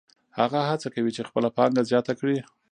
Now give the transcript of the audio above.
هغه هڅه کوي چې خپله پانګه زیاته کړي